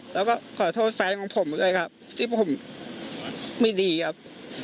แล้วก็ขอโทษแฟนของผมด้วยครับที่ผมไม่ดีครับ